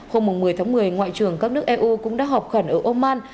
hôm một mươi tháng một mươi ngoại trưởng các nước eu cũng đã họp khẩn ở oman